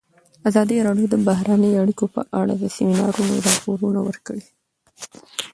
ازادي راډیو د بهرنۍ اړیکې په اړه د سیمینارونو راپورونه ورکړي.